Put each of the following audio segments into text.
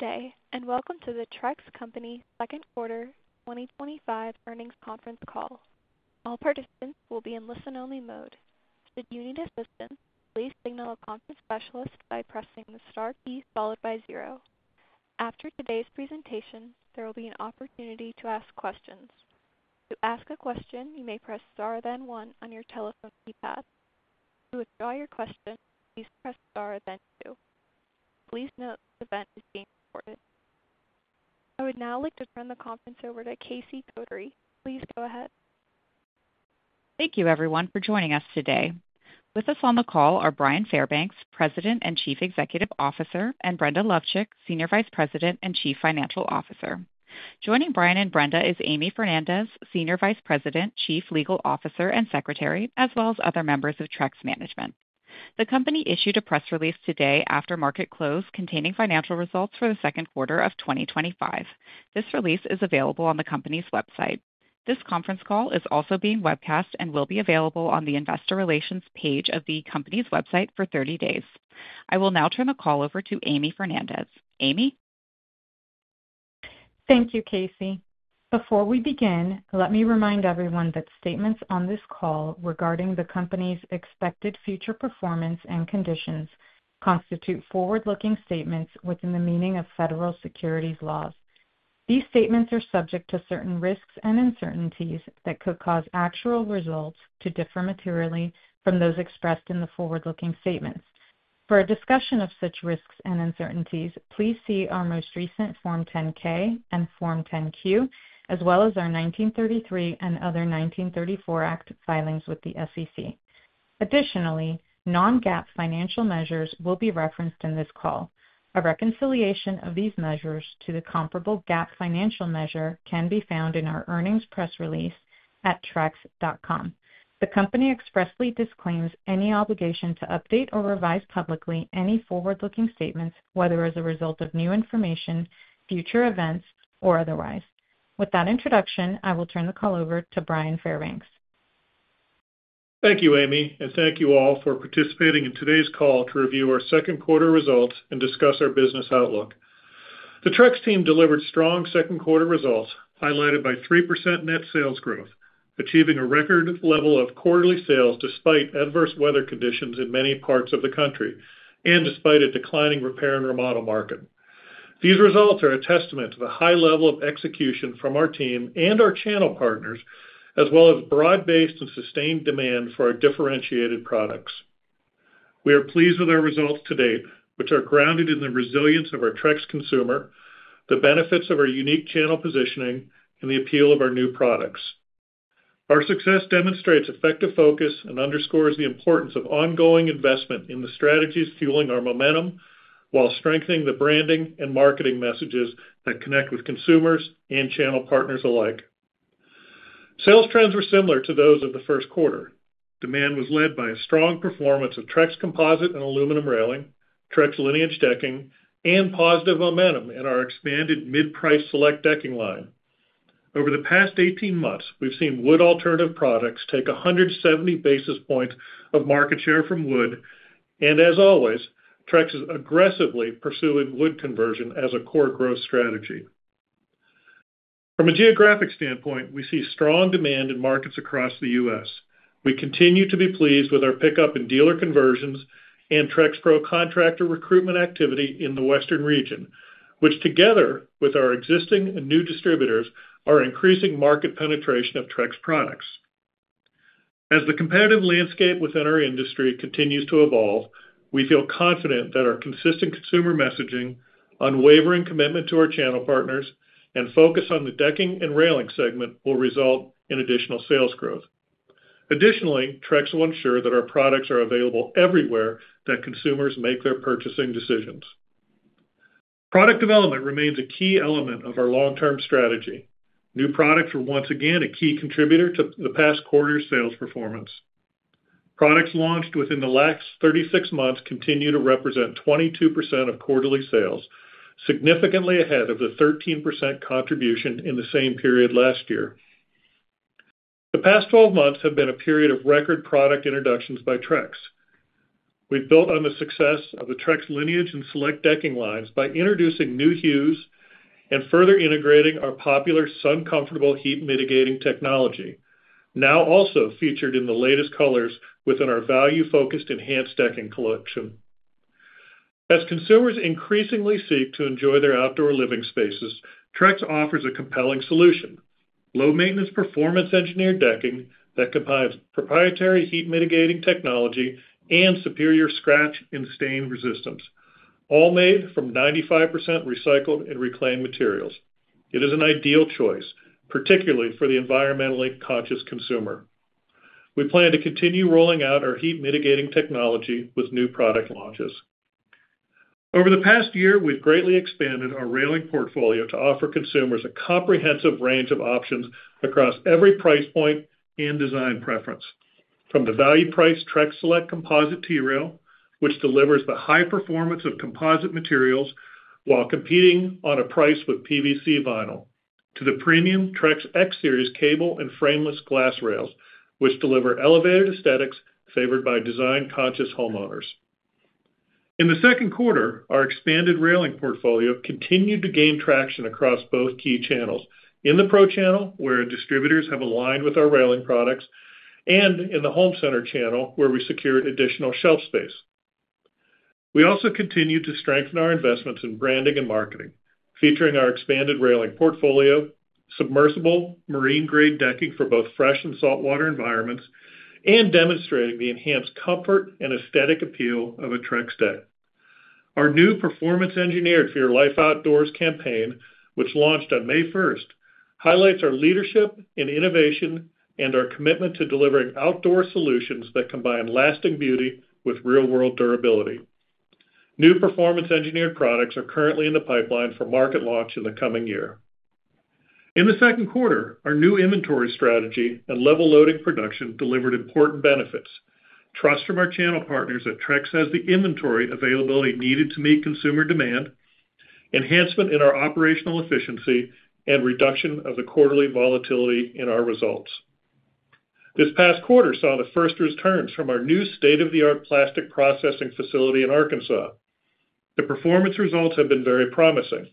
Good day and welcome to the Trex Company Second Quarter 2025 Earnings Conference Call. All participants will be in listen only mode. Should you need assistance, please signal a conference specialist by pressing the star key followed by zero. After today's presentation, there will be an opportunity to ask questions. To ask a question, you may press star then one on your telephone keypad. To withdraw your question, please press star then two. Please note this event is being recorded. I would now like to turn the conference over to Casey Kotary. Please go ahead. Thank you everyone for joining us today. With us on the call are Bryan Fairbanks, President and Chief Executive Officer, and Brenda Lovcik, Senior Vice President and Chief Financial Officer. Joining Bryan and Brenda is Amy Fernandez, Senior Vice President, Chief Legal Officer, and Secretary, as well as other members of Trex management. The Company issued a press release today after market close containing financial results for the second quarter of 2025. This release is available on the Company's website. This conference call is also being webcast. It will be available on the Investor Relations page of the company's website for 30 days. I will now turn the call over to Amy Fernandez. Amy. Thank you, Casey. Before we begin, let me remind everyone that statements on this call regarding the Company's expected future performance constitute forward-looking statements within the meaning of federal securities laws. These statements are subject to certain risks and uncertainties that could cause actual results to differ materially from those expressed in the forward-looking statements. For a discussion of such risks and uncertainties, please see our most recent Form 10-K and Form 10-Q as well as our 1933 and other 1934 Act filings with the SEC. Additionally, non-GAAP financial measures will be referenced in this call. A reconciliation of these measures to the comparable GAAP financial measure can be found in our earnings press release at trex.com. The Company expressly disclaims any obligation to update or revise publicly any forward-looking statements, whether as a result of new information, future events, or otherwise. With that introduction, I will turn the call over to Bryan Fairbanks. Thank you, Amy, and thank you all for participating in today's call to review our second quarter results and discuss our business outlook. The Trex team delivered strong second quarter results highlighted by 3% net sales growth, achieving a record level of quarterly sales despite adverse weather conditions in many parts of the country and despite a declining repair and remodel market. These results are a testament to the high level of execution from our team and our channel partners, as well as broad-based and sustained demand for our differentiated products. We are pleased with our results to date, which are grounded in the resilience of our Trex consumer, the benefits of our unique channel positioning, and the appeal of our new products. Our success demonstrates effective focus and underscores the importance of ongoing investment in the strategies fueling our momentum while strengthening the branding and marketing messages that connect with consumers and channel partners alike. Sales trends were similar to those of the first quarter. Demand was led by a strong performance of Trex composite and aluminum railing, Trex Lineage Decking, and positive momentum in our expanded mid-price Select Decking line. Over the past 18 months, we've seen wood alternative products take 170 basis points of market share from wood, and as always, Trex is aggressively pursuing wood conversion as a core growth strategy. From a geographic standpoint, we see strong demand in markets across the U.S. We continue to be pleased with our pickup in dealer conversions and TrexPro contractor recruitment activity in the Western region, which together with our existing and new distributors are increasing market penetration of Trex products. As the competitive landscape within our industry continues to evolve, we feel confident that our consistent consumer messaging, unwavering commitment to our channel partners, and focus on the decking and railing segment will result in additional sales growth. Additionally, Trex will ensure that our products are available everywhere that consumers make their purchasing decisions. Product development remains a key element of our long-term strategy. New products were once again a key contributor to the past quarter's sales performance. Products launched within the last 36 months continue to represent 22% of quarterly sales, significantly ahead of the 13% contribution in the same period last year. The past 12 months have been a period of record product introductions by Trex. We've built on the success of the Trex Lineage and Select Decking lines by introducing new hues and further integrating our popular SunComfortable heat-mitigating technology, now also featured in the latest colors within our value-focused Enhance decking collection. As consumers increasingly seek to enjoy their outdoor living spaces, Trex offers a compelling solution: low-maintenance, performance-engineered decking that combines proprietary heat-mitigating technology and superior scratch and stain resistance, all made from 95% recycled and reclaimed materials. It is an ideal choice, particularly for the environmentally conscious consumer. We plan to continue rolling out our heat-mitigating technology with new product launches. Over the past year, we've greatly expanded our railing portfolio to offer consumers a comprehensive range of options across every price point and design preference. From the value-priced Trex Select Composite T-Rail, which delivers the high performance of composite materials while competing on price with PVC vinyl, to the premium Trex X-Series cable and frameless glass rails, which deliver elevated aesthetics favored by design-conscious homeowners. In the second quarter, our expanded railing portfolio continued to gain traction across both key channels: in the pro channel, where distributors have aligned with our railing products, and in the home center channel, where we secured additional shelf space. We also continued to strengthen our investments in branding and marketing, featuring our expanded railing portfolio, submersible marine-grade decking for both fresh and saltwater environments, and demonstrating the nhanced comfort and aesthetic appeal of a Trex Deck. Our new Performance-Engineered for Your Life Outdoors campaign, which launched on May 1st, highlights our leadership in innovation and our commitment to delivering outdoor solutions that combine lasting beauty with real-world durability. New Performance-Engineered products are currently in the pipeline for market launch in the coming year. In the second quarter, our new inventory strategy and level-loaded manufacturing strategy delivered important benefits: trust from our channel partners that Trex has the inventory availability needed to meet consumer demand, enhancement in our operational efficiency, and reduction of the quarterly volatility in our results. This past quarter saw the first returns from our new state-of-the-art plastic processing facility in Arkansas. The performance results have been very promising.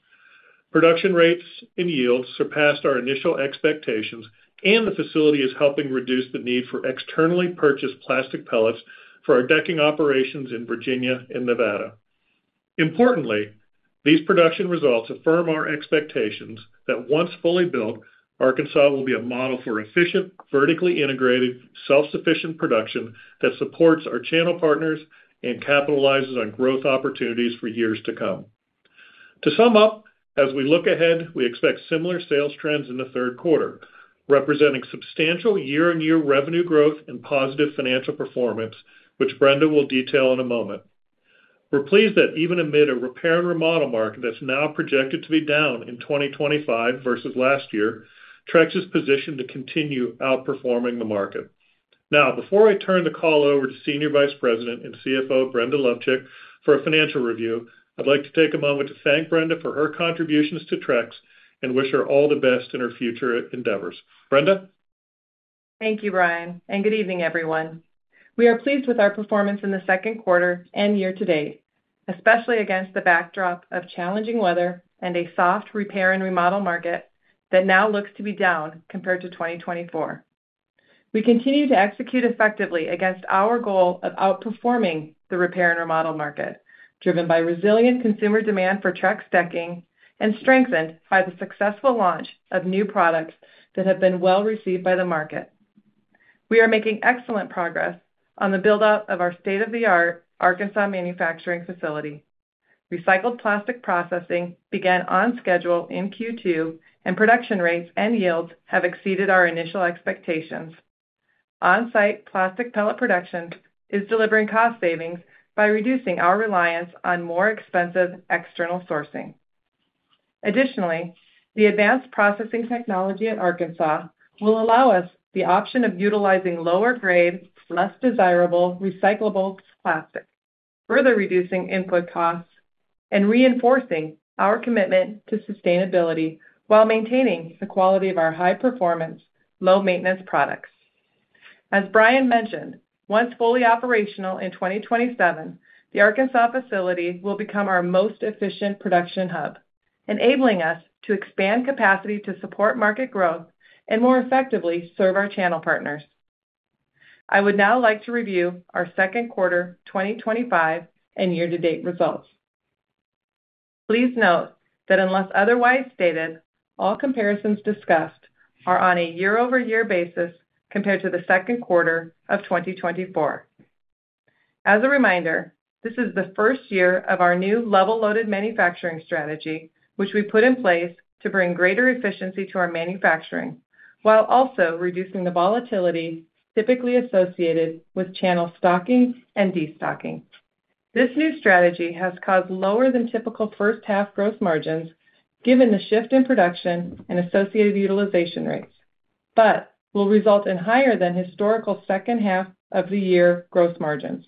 Production rates and yields surpassed our initial expectations, and the facility is helping reduce the need for externally purchased plastic pellets for our decking operations in Virginia and Nevada. Importantly, these production results affirm our expectations that once fully built, Arkansas will be a model for efficient, vertically integrated, self-sufficient production that supports our channel partners and capitalizes on growth opportunities for years to come. To sum up, as we look ahead, we expect similar sales trends in the third quarter, representing substantial year-on-year revenue growth and positive financial performance, which Brenda will detail in a moment. We're pleased that even amid a repair and remodel market that's now projected to be down in 2025 versus last year, Trex is positioned to continue outperforming the market. Now, before I turn the call over to Senior Vice President and CFO Brenda Lovcik for a financial review, I'd like to take a moment to thank Brenda for her contributions to Trex and wish her all the best in her future endeavors. Brenda? Thank you, Bryan, and good evening, everyone. We are pleased with our performance in the second quarter and year to date, especially against the backdrop of challenging weather and a soft repair and remodel market that now looks to be down compared to 2024. We continue to execute effectively against our goal of outperforming the repair and remodel market, driven by resilient consumer demand for Trex decking and strengthened by the successful launch of new products that have been well received by the market. We are making excellent progress on the buildup of our state-of-the-art Arkansas manufacturing facility. Recycled plastic processing began on schedule in Q2, and production rates and yields have exceeded our initial expectations. On-site plastic pellet production is delivering cost savings by reducing our reliance on more expensive external sourcing. Additionally, the advanced processing technology at Arkansas will allow us the option of utilizing lower grade, less desirable recyclable plastic, further reducing input costs and reinforcing our commitment to sustainability while maintaining the quality of our high-performance, low-maintenance products. As Bryan mentioned, once fully operational in 2027, the Arkansas facility will become our most efficient production hub, enabling us to expand capacity to support market growth and more effectively serve our channel partners. I would now like to review our second quarter 2025 and year to date results. Please note that unless otherwise stated, all comparisons discussed are on a year-over-year basis compared to the second quarter of 2024. As a reminder, this is the first year of our new level-loaded manufacturing strategy, which we put in place to bring greater efficiency to our manufacturing while also reducing the volatility typically associated with channel stocking and destocking. This new strategy has caused lower than typical first half gross margins given the shift in production and associated utilization rates, but will result in higher than historical second half of the year gross margins.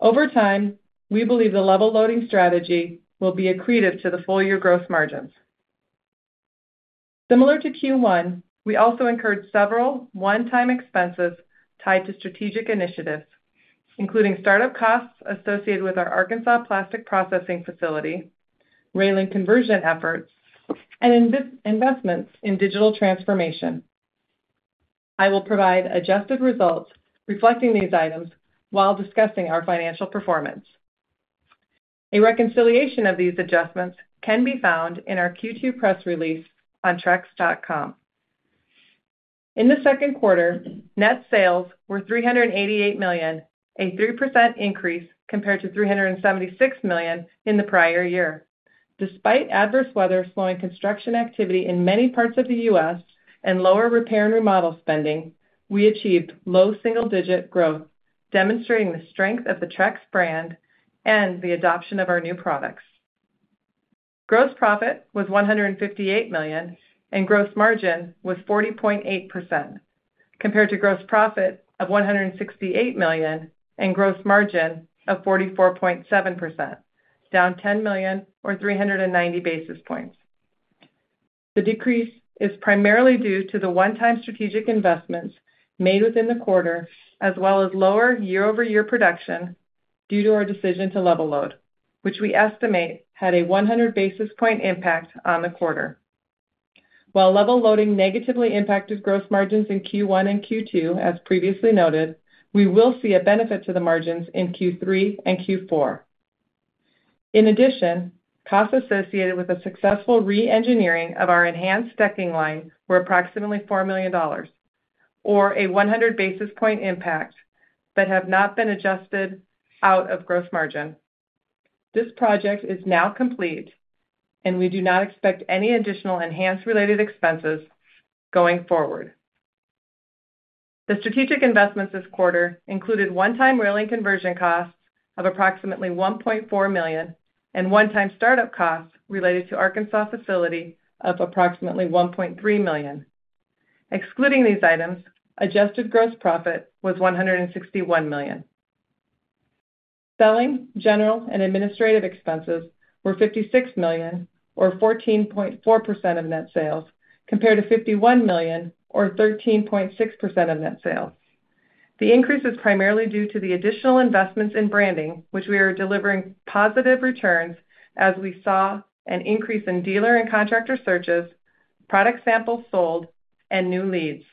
Over time, we believe the level loading strategy will be accretive to the full year gross margins. Similar to Q1, we also incurred several one-time expenses tied to strategic initiatives, including startup costs associated with our Arkansas plastic processing facility, railing conversion efforts, and investments in digital transformation. I will provide adjusted results reflecting these items while discussing our financial performance. A reconciliation of these adjustments can be found in our Q2 press release on trex.com. In the second quarter, net sales were $388 million, a 3% increase compared to $376 million in the prior year. Despite adverse weather slowing construction activity in many parts of the U.S. and lower repair and remodel spending, we achieved more low single digit growth, demonstrating the strength of the Trex brand and the adoption of our new products. Gross profit was $158 million and gross margin was 40.8% compared to gross profit of $168 million and gross margin of 44.7%, down $10 million or 390 basis points. The decrease is primarily due to the one time strategic investments made within the quarter as well as lower year-over-year production due to our decision to level load, which we estimate had a 100 basis point impact on the quarter. While level loading negatively impacted gross margins in Q1 and Q2, as previously noted, we will see a benefit to the margins in Q3 and Q4. In addition, costs associated with a successful re-engineering of our Enhance decking line were approximately $4 million or a 100 basis point impact but have not been adjusted out of gross margin. This project is now complete and we do not expect any additional Enhance related expenses going forward. The strategic investments this quarter included one time railing conversion costs of approximately $1.4 million and one time startup costs related to the Arkansas facility of approximately $1.3 million. Excluding these items, adjusted gross profit was $161 million. Selling, general and administrative expenses were $56 million or 14.4% of net sales compared to $51 million or 13.6% of net sales. The increase is primarily due to the additional investments in branding, which are delivering positive returns as we saw an increase in dealer and contractor searches, product samples sold and new leads.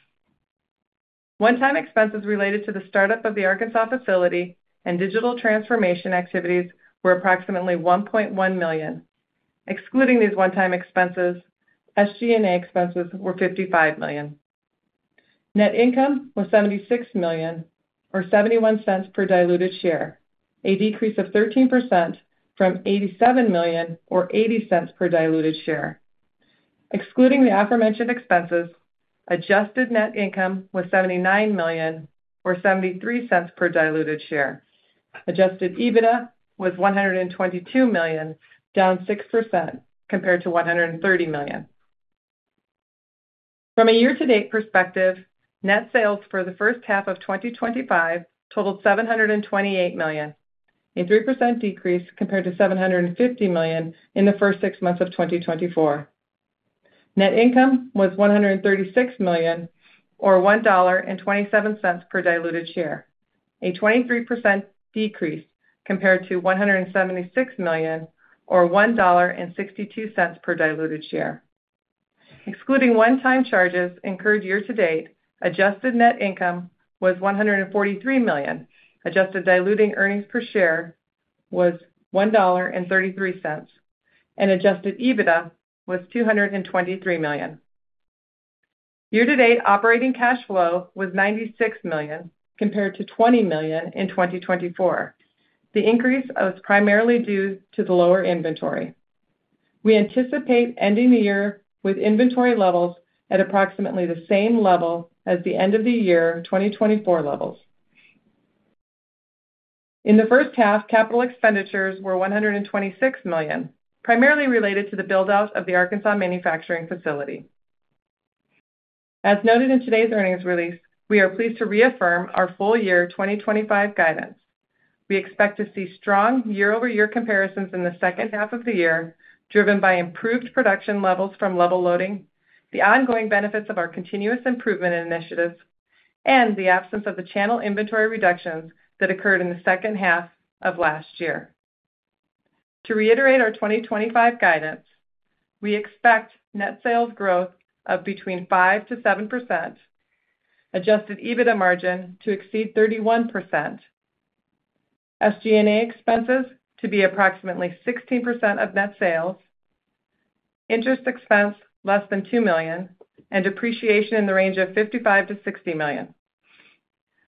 One time expenses related to the startup of the Arkansas facility and digital transformation activities were approximately $1.1 million. Excluding these one time expenses, SG&A expenses were $55 million. Net income was $76 million or $0.71 per diluted share, a decrease of 13% from $87 million or $0.80 per diluted share. Excluding the aforementioned expenses, adjusted net income was $79 million or $0.73 per diluted share. Adjusted EBITDA was $122 million, down 6% compared to $130 million. From a year to date perspective, net sales for the first half of 2025 totaled $728 million, a 3% decrease compared to $750 million in the first six months of 2024. Net income was $136 million or $1.27 per diluted share, a 23% decrease compared to $176 million or $1.62 per diluted share. Excluding one time charges incurred year to date, adjusted net income was $143 million. Adjusted diluted earnings per share was $1.33 and adjusted EBITDA was $223 million. Year to date, operating cash flow was $96 million compared to $20 million in 2024. The increase was primarily due to the lower inventory. We anticipate ending the year with inventory levels at approximately the same level as the end of the year 2024 levels. In the first half, capital expenditures were $126 million primarily related to the buildout of the Arkansas manufacturing facility. As noted in today's earnings release, we are pleased to reaffirm our full year 2025 guidance. We expect to see strong year-over-year comparisons in the second half of the year driven by improved production levels from level loading, the ongoing benefits of our continuous improvement initiatives, and the absence of the channel inventory reductions that occurred in the second half of last year. To reiterate our 2025 guidance, we expect net sales growth of between 5%-7%, adjusted EBITDA margin to exceed 31%, SG&A expenses to be approximately 16% of net sales, interest expense less than $2 million, and depreciation in the range of $55 million-$60 million.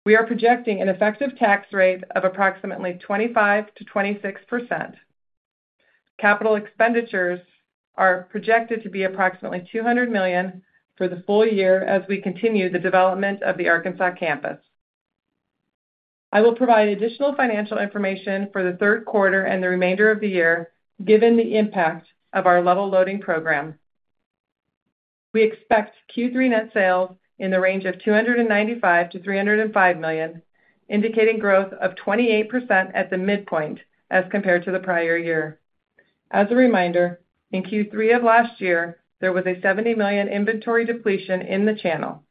We are projecting an effective tax rate of approximately 25%-26%. Capital expenditures are projected to be approximately $200 million for the full year as we continue the development of the Arkansas campus. I will provide additional financial information for the third quarter and the remainder of the year. Given the impact of our level loading program, we expect Q3 net sales in the range of $295 million-$305 million, indicating growth of 28% at the midpoint as compared to the prior year. As a reminder, in Q3 of last year there was a $70 million inventory depletion in the channel.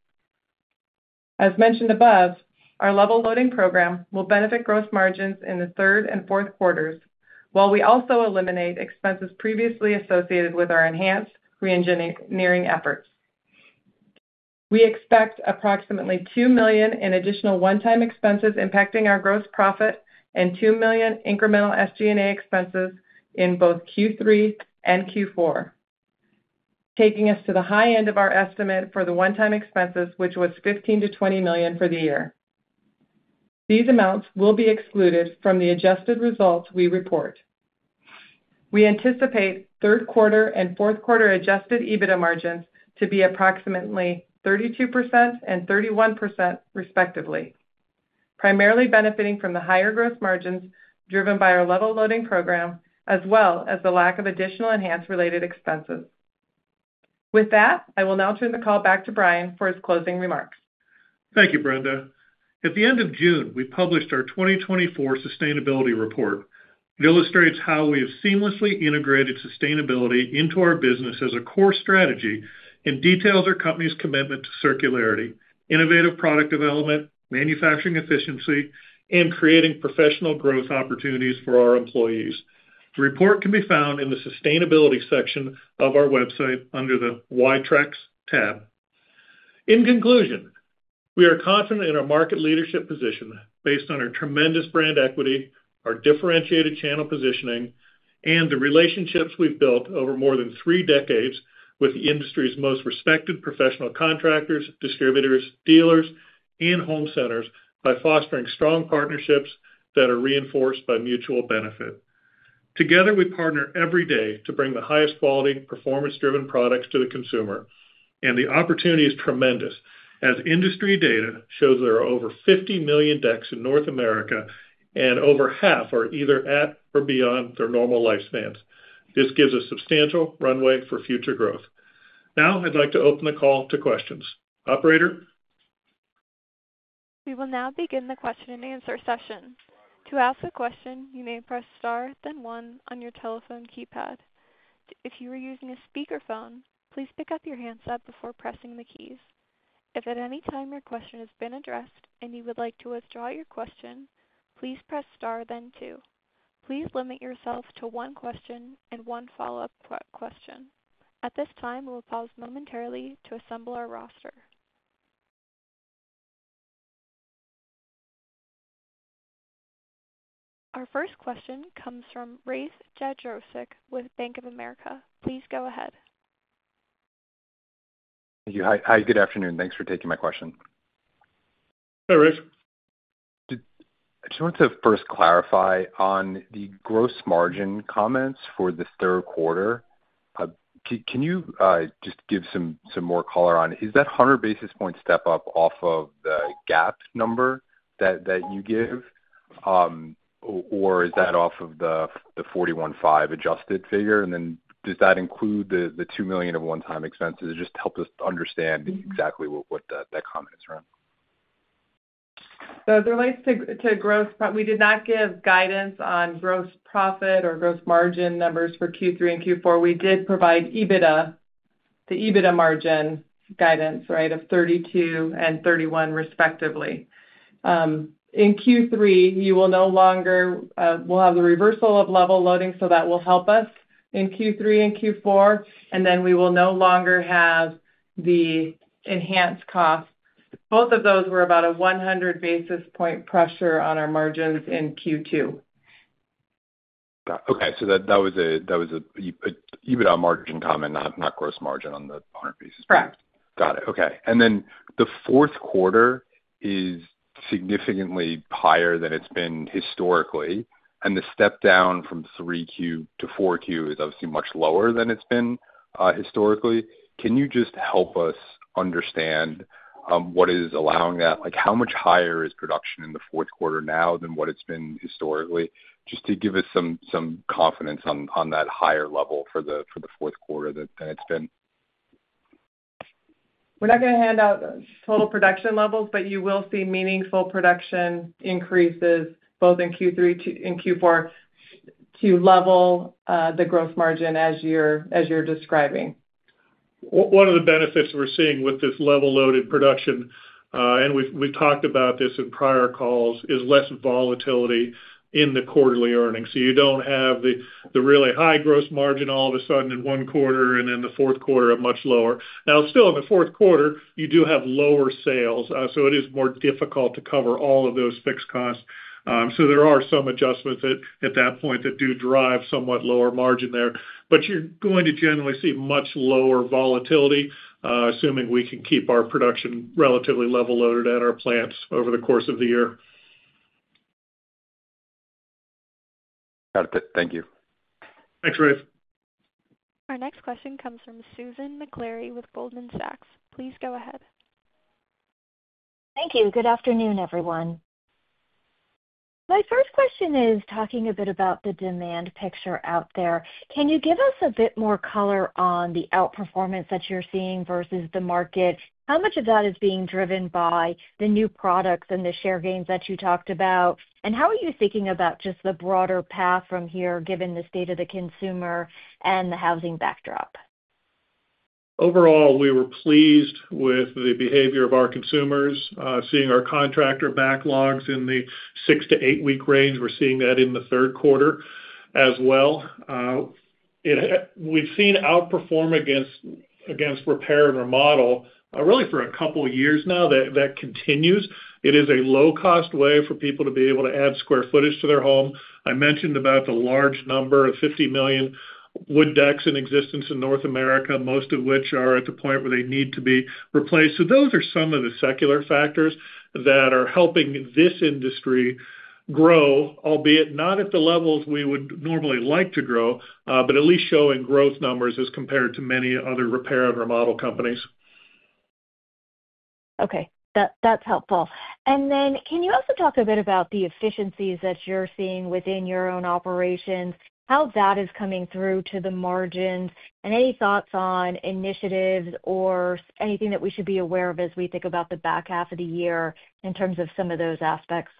As mentioned above, our level loading program will benefit gross margins in the third and fourth quarters while we also eliminate expenses previously associated with our Enhance reengineering efforts. We expect approximately $2 million in additional one-time expenses impacting our gross profit and $2 million incremental SG&A expenses in both Q3 and Q4, taking us to the high end of our estimate for the one-time expenses which was $15 million-$20 million for the year. These amounts will be excluded from the adjusted results we report. We anticipate third quarter and fourth quarter adjusted EBITDA margins to be approximately 32% and 31% respectively, primarily benefiting from the higher gross margins driven by our level-loaded manufacturing strategy as well as the lack of additional Enhance-related expenses. With that, I will now turn the call back to Bryan for his closing remarks. Thank you, Brenda. At the end of June, we published our 2024 sustainability report. It illustrates how we have seamlessly integrated sustainability into our business as a core strategy and details our company's commitment to circularity, innovative product development, manufacturing efficiency, and creating professional growth opportunities for our employees. The report can be found in the Sustainability section of our website under the Why Trex tab. In conclusion, we are confident in our market leadership position based on our tremendous brand equity, our differentiated channel positioning, and the relationships we've built over more than three decades with the industry's most respected professional contractors, distributors, dealers, and home centers by fostering strong partnerships that are reinforced by mutual benefit, together we partner every day to bring the highest quality performance-driven products to the consumer. The opportunity is tremendous. As industry data shows, there are over 50 million decks in North America and over half are either at or beyond their normal lifespans. This gives a substantial runway for future growth. Now I'd like to open the call to questions. Operator. We will now begin the question and answer session. To ask a question, you may press star then one on your telephone keypad. If you are using a speakerphone, please pick up your handset before pressing the keys. If at any time your question has been addressed and you would like to withdraw your question, please press star then two. Please limit yourself to one question and one follow up question. At this time, we will pause momentarily to assemble our roster. Our first question comes from Rafe Jadrosich with Bank of America. Please go ahead. Thank you. Hi, good afternoon. Thanks for taking my question. Hey Rife. I just wanted to first clarify on the gross margin comments for the third quarter. Can you just give some more color on, is that 100 basis point step up off of the GAAP number that you give or is that off of the 41.5% adjusted figure, and then does that include the $2 million of one-time expenses? Just helps us understand exactly what that comment is around. As it relates to gross, we did not give guidance on gross profit or gross margin numbers for Q3 and Q4. We did provide EBITDA, the EBITDA margin guidance, right, of 32% and 31% respectively. In Q3, you will no longer have the reversal of level loading, so that will help us in Q3 and Q4, and then we will no longer have the Enhance cost. Both of those were about a 100 basis point pressure on our margins in Q2. Okay, that was adjusted EBITDA margin comment, not gross margin on the 100 basis points. Correct. Got it. Okay. Then the fourth quarter is significantly higher than it's been historically, and the step down from Q3 to Q4 is obviously much lower than it's been historically. Can you just help us understand what is allowing that, like how much higher is production in the fourth quarter now than what it's been historically? Just to give us some confidence on that higher level for the fourth quarter than it's been. We're not going to hand out total production levels, but you will see meaningful production increases both in Q3 and Q4 to level the gross margin as you're describing. One of the benefits we're seeing with this level-loaded production, and we've talked about this in prior calls, is less volatility in the quarterly earnings. You don't have the really high gross margin all of a sudden in one quarter and then the fourth quarter much lower. Now still in the fourth quarter you do have lower sales, so it is more difficult to cover all of those fixed costs. There are some adjustments at that point that do drive somewhat lower margin there, but you're going to generally see much lower volatility assuming we can keep our production relatively level-loaded at our plants over the course of the year. Got it. Thank you. Thanks Rafe. Our next question comes from Susan Maklari with Goldman Sachs. Please go ahead. Thank you. Good afternoon, everyone. My first question is talking a bit about the demand picture out there. Can you give us a bit more color on the outperformance that you're seeing versus the market? How much of that is being driven by the new products and the share gains that you talked about, and how are you thinking about just the broader path from here given the state of the consumer and the housing backdrop? Overall, we were pleased with the behavior of our consumers. Seeing our contractor backlogs in the six to eight week range, we're seeing that in the third quarter as well. We've seen outperform against repair and remodel really for a couple years now. That continues. It is a low cost way for people to be able to add square footage to their home. I mentioned about the large number of 50 million wood decks in existence in North America, most of which are at the point where they need to be replaced. Those are some of the secular factors that are helping this industry grow, albeit not at the levels we would normally like to grow, but at least showing growth numbers as compared to many other repair and remodel companies. Okay, that's helpful. Can you also talk a bit about the efficiencies that you're seeing within your own operations? How that is coming through to the margins, and any thoughts on initiatives or anything that we should be aware of as we think about the back half of the year in terms of some of those aspects?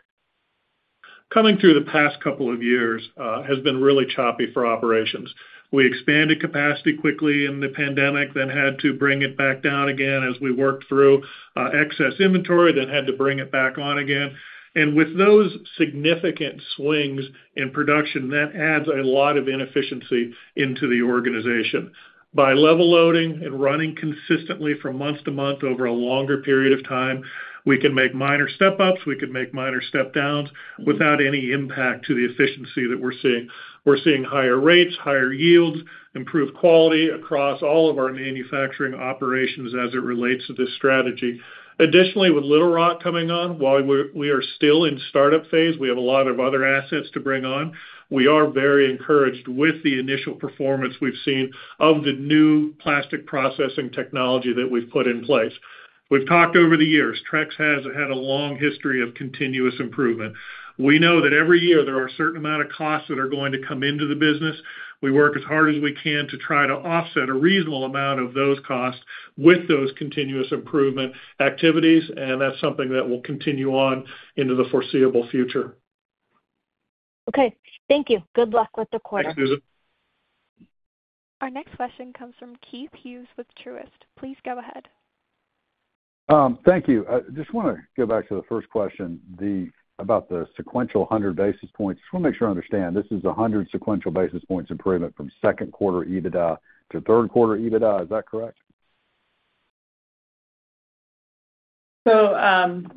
Coming through the past couple of years has been really choppy for operations. We expanded capacity quickly in the pandemic, then had to bring it back down again as we worked through excess inventory, then had to bring it back on again. With those significant swings in production, that adds a lot of inefficiency into the organization. By level loading and running consistently from month to month over a longer period of time, we can make minor step ups and minor step downs without any impact to the efficiency that we're seeing. We're seeing higher rates, higher yields, improved quality across all of our manufacturing operations as it relates to this strategy. Additionally, with Little Rock coming on, while we are still in startup phase, we have a lot of other assets to bring on. We are very encouraged with the initial performance we've seen of the new plastic processing technology that we've put in place. We've talked over the years. Trex has had a long history of continuous improvement. We know that every year there are a certain amount of costs that are going to come into the business. We work as hard as we can to try to offset a reasonable amount of those costs with those continuous improvement activities and that's something that will continue on into the foreseeable future. Okay, thank you. Good luck with the quarter. Thank you, Susan. Our next question comes from Keith Hughes with Truist. Please go ahead. Thank you. I just want to go back to the first question about the sequential 100 basis points. I just want to make sure I understand this is 100 sequential basis points improvement from second quarter EBITDA to third quarter EBITDA, is that correct? The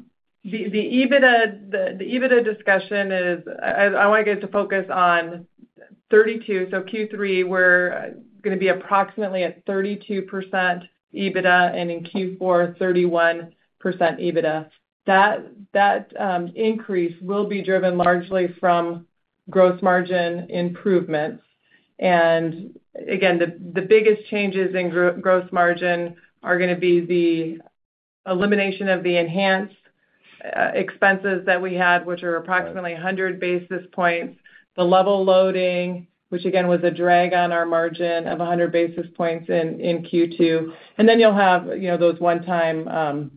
EBITDA discussion is, I want you guys to focus on 32%. So Q3, we're going to be approximately at 32% EBITDA and in Q4 31% EBITDA. That increase will be driven largely from gross margin improvements. The biggest changes in gross margin are going to be the elimination of the Enhance expenses that we had, which are approximately 100 basis points, the level loading, which again was a drag on our margin of 100 basis points in Q2. You'll have those one-time gross margin,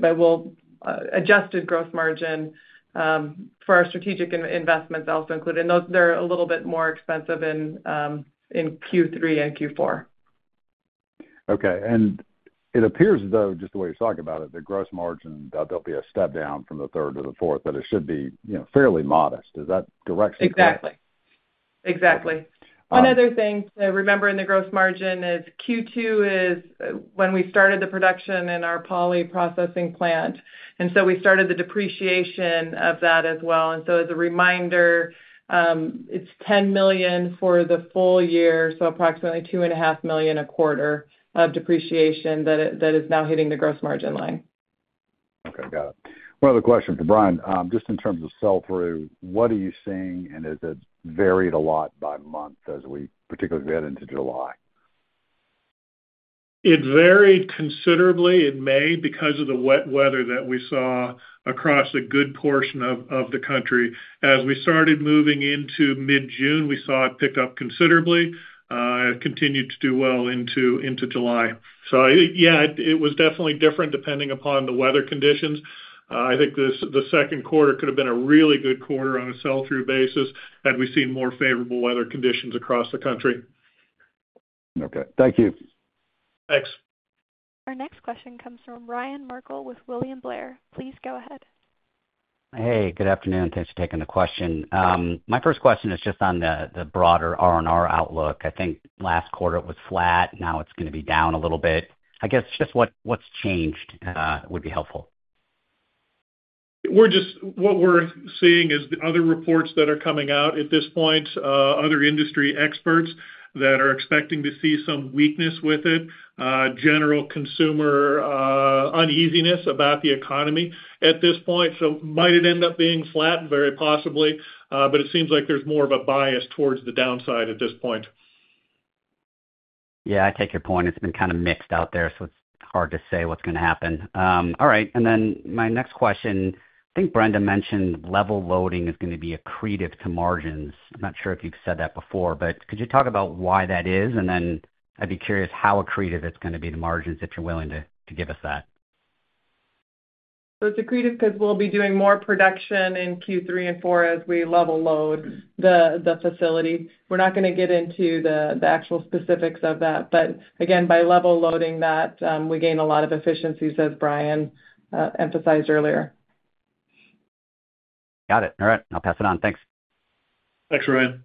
but we'll adjusted gross margin for our strategic investments also included. They're a little bit more expensive in Q3 and Q4. Okay. It appears though just the way you talk about it, the gross margin there'll be a step down from the third to the fourth that it should be, you know, fairly modest. Is that direct? Exactly, exactly. One other thing, remember in the gross margin is Q2 is when we started the production in our poly processing plant. And so we started the depreciation of that as well, so as a reminder, it's $10 million for the full year, so approximately $2.5 million a quarter of depreciation that is now hitting the gross margin line. Okay, got it. One other question to Bryan, just in terms of sell through, what are you seeing and is it varied a lot by month, as we particularly get into July? It varied considerably in May because of the wet weather that we saw across a good portion of the country. As we started moving into mid June, we saw it pick up considerably, continued to do well into July. It was definitely different depending upon the weather conditions. I think the second quarter could have been a really good quarter on a sell through basis had we seen more favorable weather conditions across the country. Okay, thank you. Thanks. Our next question comes from Ryan Merkel with William Blair. Please go ahead. Hey, good afternoon. Thanks for taking the question. My first question is just on the broader R&R outlook. I think last quarter it was flat, now it's going to be down a little bit. I guess just what, what's changed would be helpful. What we're seeing is the other reports that are coming out at this point, other industry experts that are expecting to see some general consumer uneasiness about the economy at this point. It might end up being flattened, very possibly. It seems like there's more of a bias towards the downside at this point. Yeah, I take your point. It's been kind of mixed out there, so it's hard to say what's going to happen. All right. My next question, I think Brenda mentioned level loading is going to be accretive to margins. Not sure if you've said that before, but could you talk about why that is, and I'd be curious how accretive it's going to be, the margins, if you're willing to give us that. It's accretive because we'll be doing more production in Q3 and Q4 as we level load the facility. We're not going to get into the actual specifics of that. Again, by level loading that, we gain a lot of efficiencies as Bryan emphasized earlier. Got it. All right, I'll pass it on. Thanks. Thanks Ryan.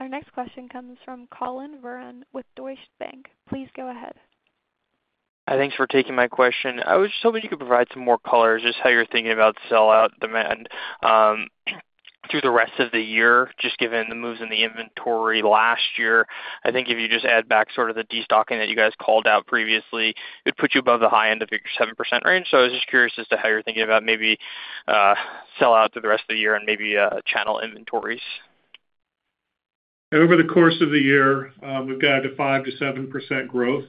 Our next question comes from Collin Verron with Deutsche Bank. Please go ahead. Thanks for taking my question. I was just hoping you could provide some more color, just how you're thinking about sellout demand through the rest of the year. Just given the moves in the inventory last year, I think if you just add back sort of the destocking that you guys called out previously, it put you above the high end of your 7% range. I was just curious as to. How you're thinking about maybe sell out through the rest of the year and maybe channel inventories. Over the course of the year, we've got a 5%-7% growth,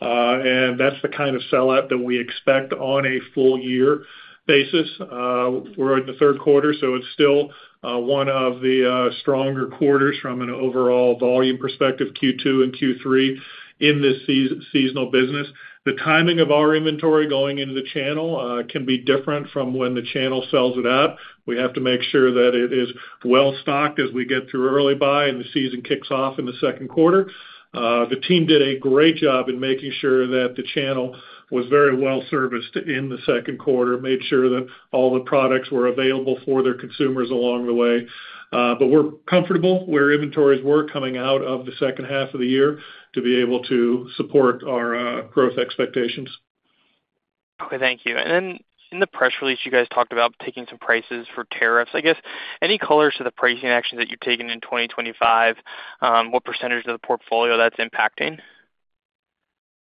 and that's the kind of sellout that we expect on a full year basis. We're in the third quarter, so it's still one of the stronger quarters from an overall volume perspective. Q2 and Q3 in this seasonal business. The timing of our inventory going into the channel can be different from when the channel sells it out. We have to make sure that it is well stocked as we get through early buy and the season kicks off in the second quarter. The team did a great job in making sure that the channel was very well serviced in the second quarter, made sure that all the products were available for their consumers along the way. We're comfortable where inventories were coming out of the second half of the year to be able to support our growth expectations. Thank you. In the press release, you guys talked about taking some prices for tariffs. I guess, any colors to the pricing actions that you've taken in 2025? What percentage of the portfolio is that impacting?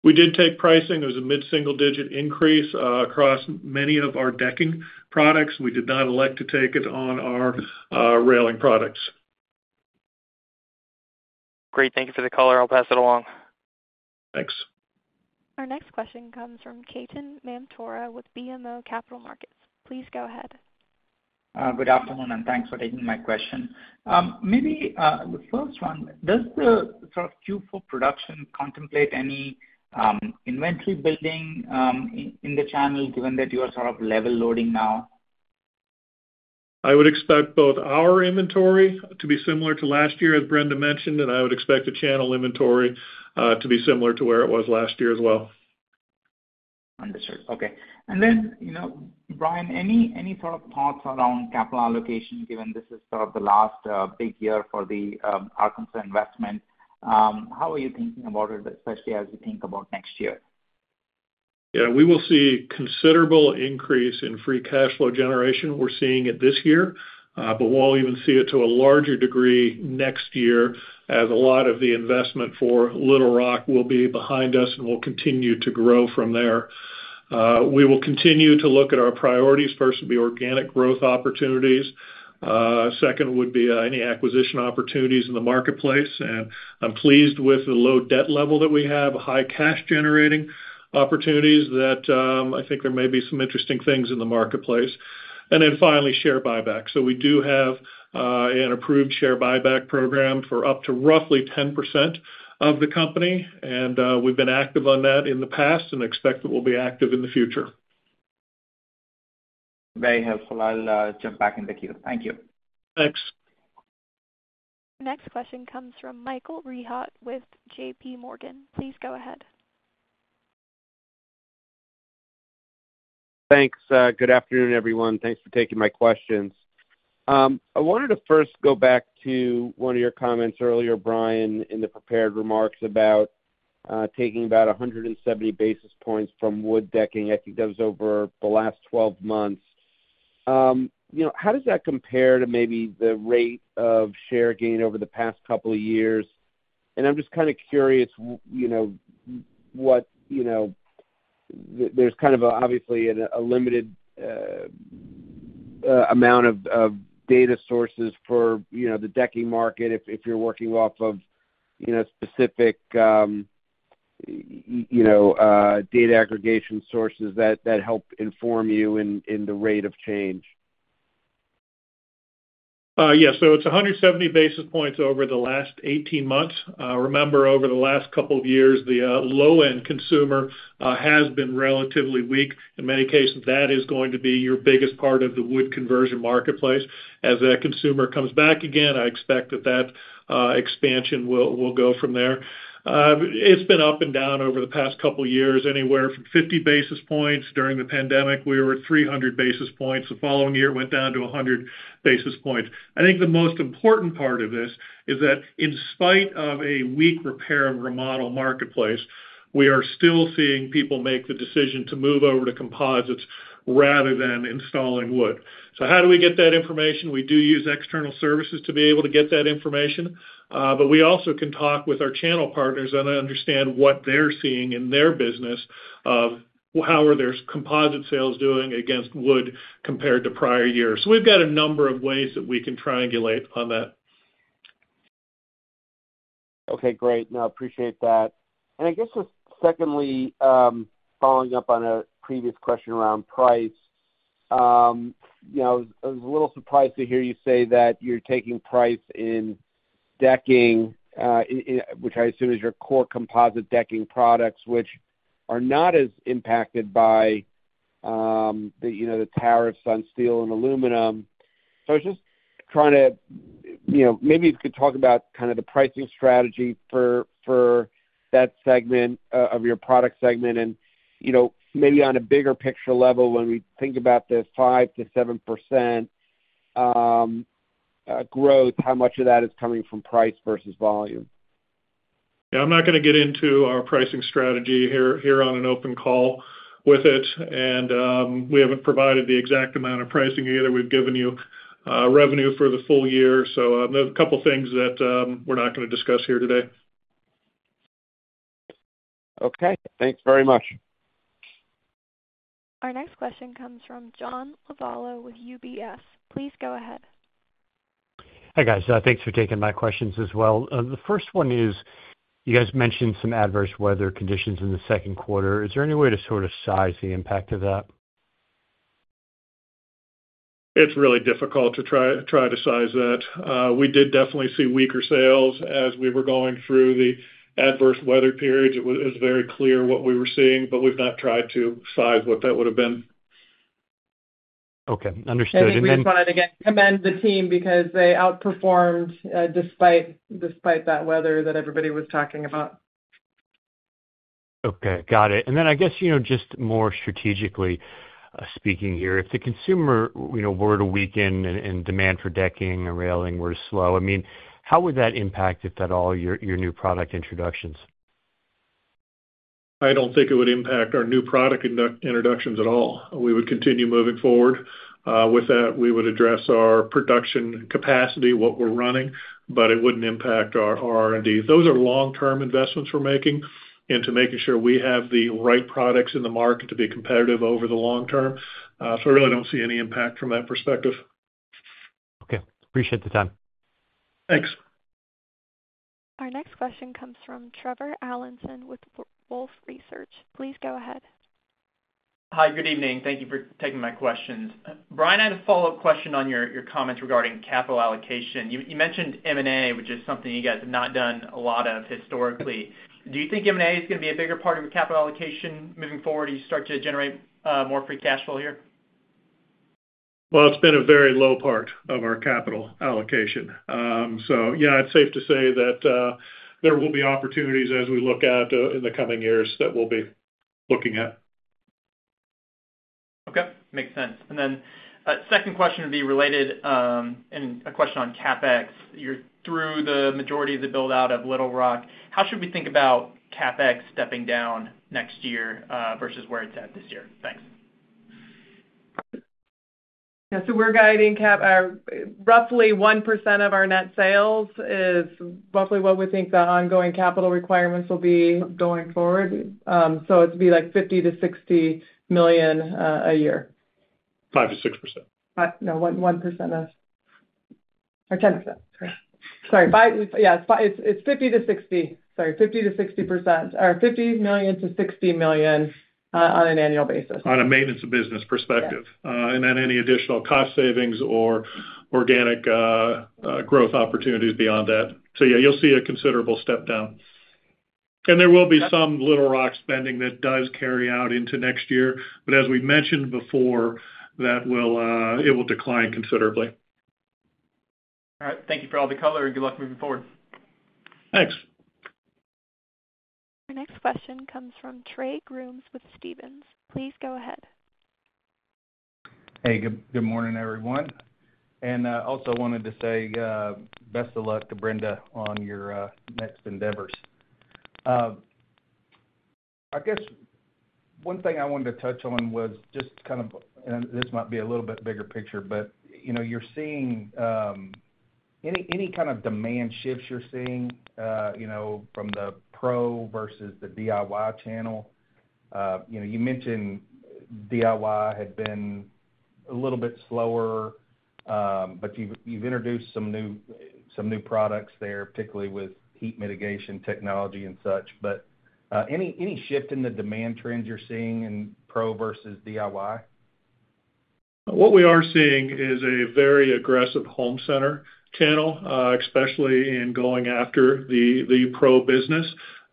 We did take pricing. It was a mid single-digit increase across many of our decking products. We did not elect to take it on our railing products. Great. Thank you for the caller. I'll pass it along. Thanks. Our next question comes from Ketan Mamtora with BMO Capital. Please go ahead. Good afternoon, and thanks for taking my question. Maybe, the first one, does the sort of Q4 production, contemplate any inventory building in the channel given that you are sort of level loading now? I would expect both our inventory to be similar to last year, as Brenda mentioned, and I would expect the channel inventory to be similar to where it was last year as well. Understood. Okay. Bryan, any sort of thoughts around capital allocation given this is the last big year for the Arkansas investment? How are you thinking about it, especially as you think about next year? Yeah, we will see considerable increase in free cash flow generation. We're seeing it this year, but we'll even see it to a larger degree next year as a lot of the investment for Little Rock will be behind us and will continue to grow from there. We will continue to look at our priorities. First would be organic growth opportunities. Second would be any acquisition opportunities in the marketplace. I'm pleased with the low debt level that we have, high cash generating opportunities that I think there may be some interesting things in the marketplace. Finally, share buyback. We do have an approved share buyback program for up to roughly 10% of the company and we've been active on that in the past and expect that we'll be active in the future. Very helpful. I'll jump back in with you. Thank you. Thanks. Next question comes from Michael Rehaut with JP Morgan. Please go ahead. Thanks. Good afternoon everyone. Thanks for taking my questions. I wanted to first go back to one of your comments earlier, Bryan, in the prepared remarks about taking about 170 basis points from wood decking. I think that was over the last 12 months. How does that compare to maybe the rate of share gain over the past couple of years? I'm just kind of curious, there's obviously a limited amount of data sources for the decking market if you're working off of specific data aggregation sources that help inform you in the rate of change. Yes. It's 170 basis points over the last 18 months. Remember, over the last couple of years the low end consumer has been relatively weak in many cases. That is going to be your biggest part of the wood conversion marketplace as that consumer comes back again, I expect that expansion will go from there. It's been up and down over the past couple of years anywhere from 50 basis points. During the pandemic we were at 300 basis points, the following year went down to 100 basis points. I think the most important part of this is that in spite of a weak repair and remodel marketplace, we are still seeing people make the decision to move over to composites rather than installing wood. How do we get that information? We do use external services to be able to get that information, but we also can talk with our channel partners and understand what they're seeing in their business of how are their composite sales doing against wood compared to prior year. We've got a number of ways that we can triangulate on that. Okay, great. I appreciate that. I guess just secondly, following up on a previous question around price, I was a little surprised to hear you say that you're taking price in decking, which I assume is your core composite decking products, which are not as impacted by the tariffs on steel and aluminum. I was just trying to, maybe if you could talk about kind of the pricing strategy for that segment of your product segment and maybe on a bigger picture level when we think about the 5%-7% growth, how much of that is coming from price versus volume? Yeah, I'm not going to get into our pricing strategy here on an open call with it, and we haven't provided the exact amount of pricing either. We've given you revenue for the full year. There are a couple things that we're not going to discuss here today. Okay, thanks very much. Our next question comes from John Lovallo with UBS. Please go ahead. Hi guys. Thanks for taking my questions as well. The first one is you guys mentioned some adverse weather conditions in the second quarter. Is there any way to sort of size the impact of that? It's really difficult to try to size that. We did definitely see weaker sales as we were going through the adverse weather periods. It was very clear what we were seeing, but we've not tried to size what that would have been. Okay, understood. I just wanted to commend the team because they outperformed despite that weather that everybody was talking about. Okay, got it. I guess, just more strategically speaking here, if the consumer were to weaken and demand for decking and railing were slow, how would that impact, if at all, your new product introductions? I don't think it would impact our new product introductions at all. We would continue moving forward with that. We would address our production capacity, what we're running, but it wouldn't impact our R&D. Those are long-term investments we're making into making sure we have the right products in the market to be competitive over the long term. I really don't see any impact from that perspective. Okay, appreciate the time. Thanks. Our next question comes from Trevor Allinson with Wolfe Research. Please go ahead. Hi, good evening. Thank you for taking my questions. Bryan, I had a follow up question on your comments regarding capital allocation, you mentioned M&A, which is something you guys have not done a lot of historically. Do you think M&A is going to be a bigger part of it. Your capital allocation moving forward as you start to generate more free cash flow here? Well, it's been a very low part of our capital allocation. Yeah, it's safe to say that there will be opportunities as we look out in the coming years that we'll be looking at. Okay, makes sense. Then the second question would be related, and a question on CapEx. You're through the majority of the build out of Little Rock, how should we think about CapEx stepping down next year versus where it's at this year? Thanks. Yeah, so we're guiding CapEx. Roughly 1% of our net sales is roughly what we think the ongoing capital requirements will be going forward. It'd be like $50 million-$60 million a year. 5%-6%. No, 11% or 10%. Sorry, sorry. Yes, it's 50%-60%. Sorry, 50%-60% or $50 million-$60 million on an annual basis. On a maintenance of business perspective, and then any additional cost savings or organic growth opportunities beyond that, you'll see a considerable step down. There will be some Little Rock spending that does carry out into next year, but as we mentioned before, it will decline considerably. All right, thank you for all the color and good luck moving forward. Thanks. Our next question comes from Trey Grooms with Stephens. Please go ahead. Hey, good morning everyone, and also wanted to say best of luck to Brenda on your next endeavors. I guess one thing I wanted to touch on was just kind of, and this might be a little bit bigger picture, but you know, you're seeing any kind of demand shifts you're seeing from the pro versus the DIY channel. You know, you mentioned DIY had been a little bit slower. You've introduced some new products there, particularly with heat-mitigating technology and such. Any shift in the demand trends you're seeing in pro versus DIY? What we are seeing is a very aggressive home center channel, especially in going after the pro business.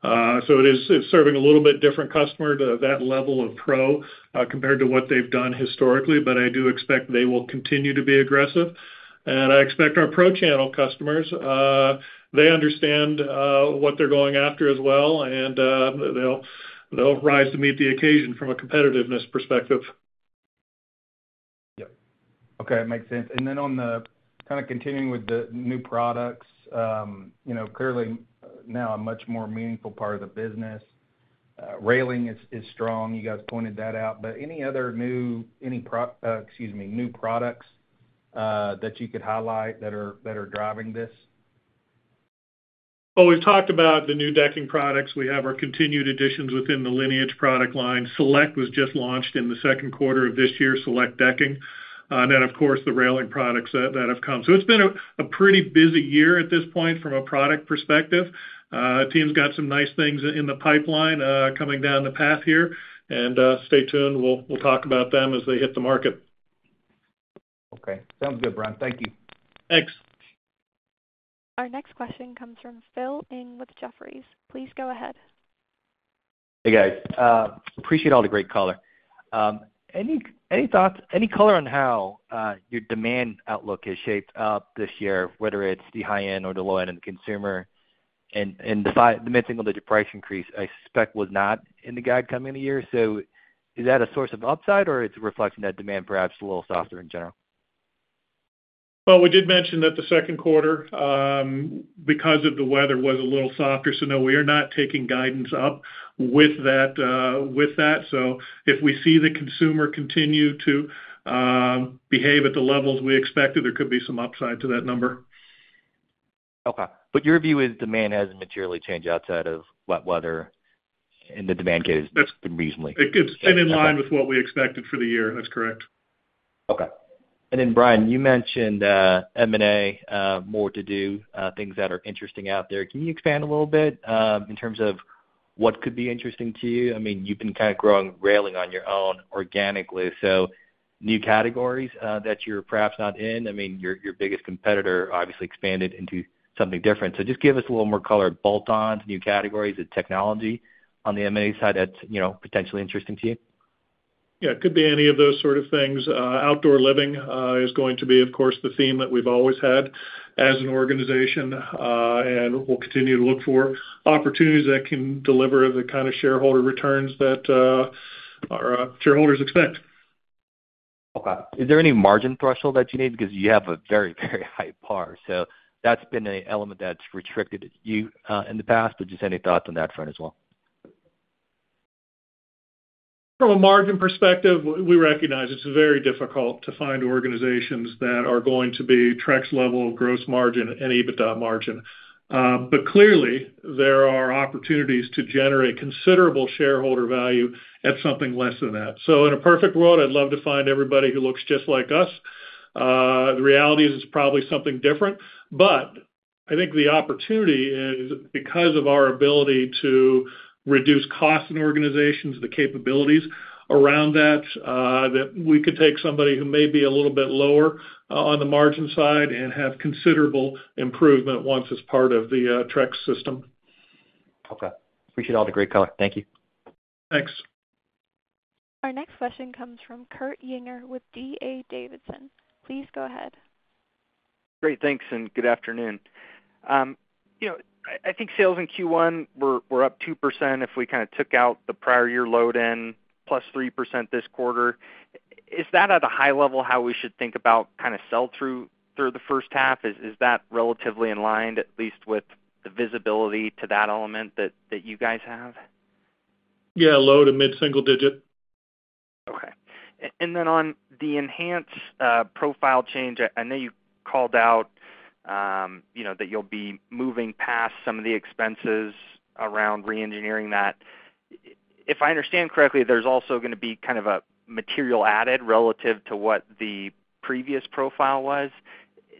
It is serving a little bit different customer to that level of pro compared to what they've done historically. I do expect they will continue to be aggressive, and I expect our pro channel customers understand what they're going after as well and they'll rise to meet the occasion from a competitiveness perspective. Yeah. Okay, it makes sense. On the kind of continuing with the new products, you know, clearly now a much more meaningful part of the business. Railing is strong. You guys pointed that out. Any other new products that you could highlight that are driving this? We have talked about the new decking products. We have our continued additions within the Lineage product line. Select was just launched in the second quarter of this year, Select Decking. And then of course the railing products that have come. It has been a pretty busy year at this point from a product perspective. Team's got some nice things in the pipeline coming down the path here, and stay tuned we will talk about them as they hit the market. Okay, sounds good, Bryan. Thank you. Thanks. Our next question comes from Phil Ng with Jefferies. Please go ahead. Hey guys, appreciate all the great color. Any thoughts, any color on how your demand outlook is shaped up this year, whether it's the high end or the low end in the consumer, and the mid single digit price increase, I suspect was not in the guide coming in the year. Is that a source of upside or is it a reflection that demand perhaps a little softer in general? We did mention that the second quarter because of the weather was a little softer. No, we are not taking guidance up with that. If we see the consumer continue to behave at the levels we expected, there could be some upside to that number. Okay, your view is demand hasn't materially changed outside of wet weather and the demand case reasonably. It been in line with what we expected for the year. That's correct. Okay, and then Bryan, you mentioned M&A, more to do, things that are interesting out there. Can you expand a little bit in terms of what could be interesting to you? I mean, you've been kind of growing railing on your own organically. So new categories that you're perhaps not in, I mean, your biggest competitor obviously expanded into something different. Just give us a little more color, bolt-ons, new categories of technology on the M&A side that's potentially interesting to you? Yeah, it could be any of those sort of things. Outdoor living is going to be, of course, the theme that we've always had as an organization, and we'll continue to look for opportunities that can deliver the kind of shareholder returns that our shareholders expect. Okay, is there any margin threshold that you need? You have a very, very high par. That has been an element that's restricted you in the past. Any thoughts on that front as well? From a margin perspective, we recognize it's very difficult to find organizations that are going to be Trex level, gross margin and EBITDA margin. Clearly, there are opportunities to generate considerable shareholder value at something less than that. In a perfect world, I'd love to find everybody who looks just like us. The reality is it's probably something different. But I think the opportunity is because of our ability to reduce cost in organizations, the capabilities around that, that we could take somebody who may be a little bit lower on the margin side and have considerable improvement once as part of the Trex system. Okay. Appreciate all the great color. Thank you. Thanks. Our next question comes from Kurt Yinger with D.A. Davidson. Please go ahead. Great, thanks. Good afternoon. I think sales in Q1 were up 2% if we kind of took out the prior year load-in +3% this quarter. Is that at a high level how we should think about kind of sell through through the first half? Is that relatively in line at least with the visibility to that element that you guys have? Yeah, low to mid single digit. Okay. On the Enhance profile change, I know you called out that you'll be moving past some of the expenses around reengineering. If I understand correctly, there's also going to be kind of a material added relative to what the previous profile was.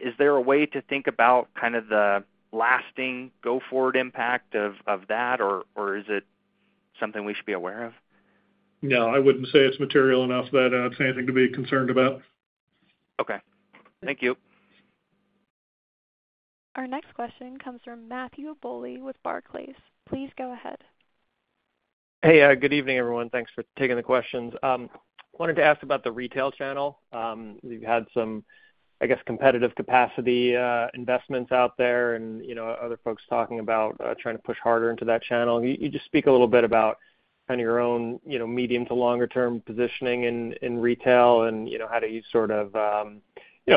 Is there a way to think about the lasting, go forward impact of that or is it something we should be aware of? No, I wouldn't say it's material enough that it's anything to be concerned about. Okay, thank you. Our next question comes from Matthew Bouley with Barclays. Please go ahead. Hey, good evening everyone. Thanks for taking the questions. Wanted to ask about the retail channel. You've had some competitive capacity investments out there, and other folks talking about trying to push harder into that channel. Can you speak a little bit about your own medium to longer term positioning in retail, and how do you sort of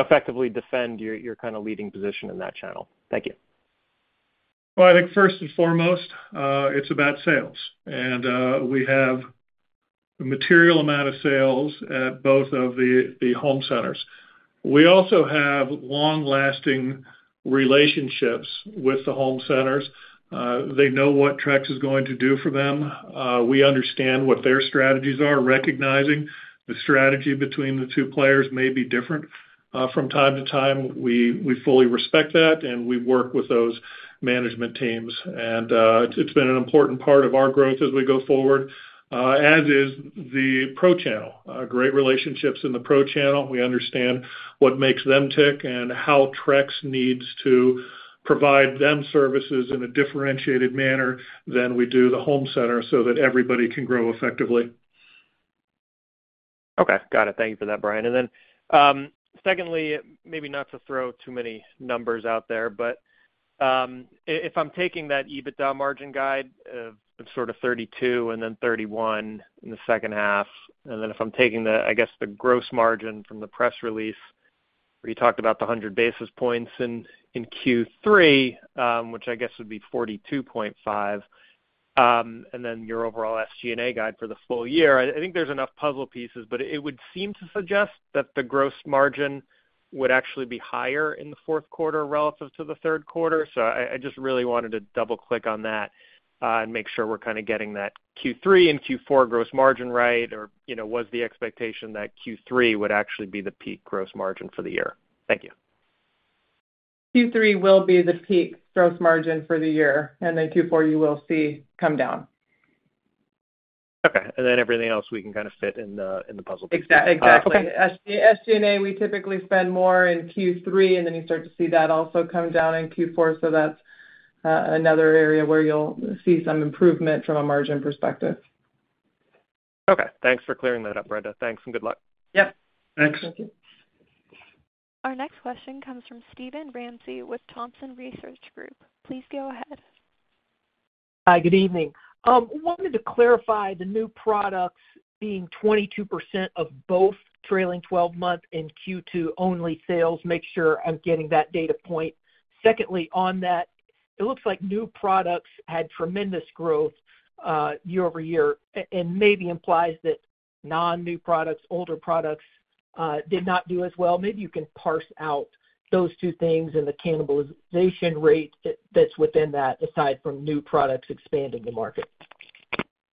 effectively defend your leading position in that channel? Thank you. I think first and foremost it's about sales, and we have a material amount of sales at both of the home centers. We also have long-lasting relationships with the home centers. They know what Trex is going to do for them. We understand what their strategies are, recognizing the strategy between the two players may be different from time to time. We fully respect that, and we work with those management teams, and it's been an important part of our growth as we go forward, as is the pro channel. Great relationships in the pro channel. We understand what makes them tick and how Trex needs to provide them services in a differentiated manner than we do the home center so that everybody can grow effectively. Okay, got it. Thank you for that, Bryan. Secondly, maybe not to throw too many numbers out there, but if. I'm taking that EBITDA margin guide, sort of 32% and then 31% in the second half, and then if I'm taking the, I guess the gross margin from the press release where you talked about the 100 basis points in Q3, which I guess would be 42.5%, and then your overall SG&A guide for the full year. I think there's enough puzzle pieces, but it would seem to suggest that the gross margin would actually be higher in the fourth quarter relative to the third quarter. I just really wanted to double click on that and make sure we're kind of getting that Q3 and Q4 gross margin right or what the expectation that Q3 would actually be the peak gross margin for the year? Thank you. Q3 will be the peak gross margin for the year. In Q4, you will see it come down. Okay. Everything else we can kind of fit in the puzzle. Exactly, exactly. SG&A, we typically spend more in Q3, and then you start to see that also come down in Q4. That is another area where you'll see some improvement from a margin perspective. Okay. Thanks for clearing that up, Brenda. Thanks and good luck. Yes, thanks, Matthew. Our next question comes from Steven Ramsey with Thompson Research Group. Please go ahead. Hi, good evening. I wanted to clarify the new products being 22% of both trailing 12 month and Q2 only sales, make sure I'm getting that data point. Secondly, on that, it looks like new products had tremendous growth year-over-year and maybe implies that non new products, older products did not do as well. Maybe you can parse out those two things and the cannibalization rate that's within that, aside from new products expanding the market.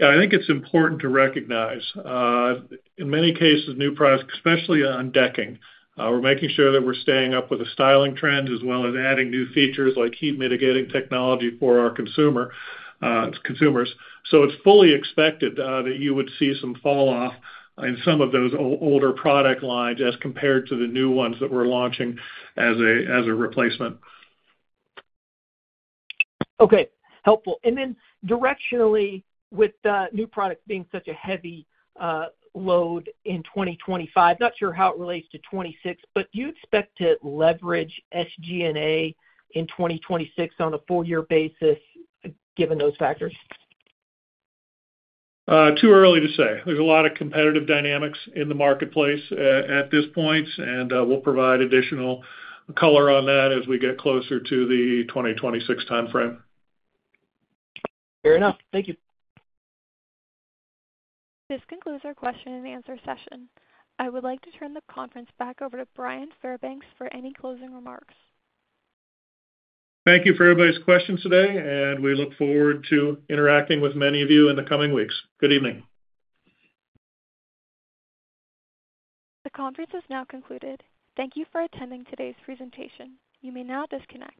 I think it's important to recognize in many cases new products, especially on decking. We're making sure that we're staying up with the styling trends as well as adding new features like heat-mitigating technology for our consumers. It's fully expected that you would see some fall off in some of those older product lines as compared to the new ones that we're launching as a replacement. Okay, helpful. Directionally, with new product being such a heavy load in 2025, not sure how it relates to 2026, but do you expect to leverage SG&A in 2026 on a full year basis given those factors? Too early to say. There are a lot of competitive dynamics in the marketplace at this point. We will provide additional color on that as we get closer to the 2026 timeframe. Fair enough. Thank you. This concludes our question and answer session. I would like to turn the conference back over to Bryan Fairbanks for any closing remarks. Thank you for everybody's questions today, and we look forward to interacting with many of you in the coming weeks. Good evening. The conference has now concluded. Thank you for attending today's presentation. You may now disconnect.